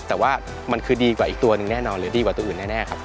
แต่ว่ามันคือดีกว่าอีกตัวหนึ่งแน่นอนหรือดีกว่าตัวอื่นแน่ครับ